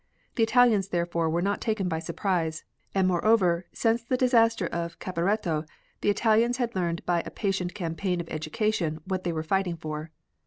The Italians therefore were not taken by surprise, and moreover since the disaster of Caparetto the Italians had learned by a patient campaign of education what they were fighting for.